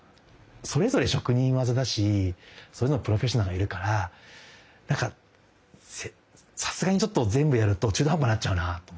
それぞれ職人技だしそういうのはプロフェッショナルがいるからなんかさすがにちょっと全部やると中途半端になっちゃうなと思ってですね。